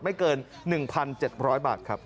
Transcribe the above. ไม่เกิน๑๗๐๐บาทครับ